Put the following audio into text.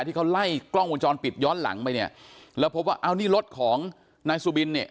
ที่เขาไล่กล้องวงจรปิดย้อนหลังไปเนี่ยแล้วพบว่าเอานี่รถของนายสุบินเนี่ย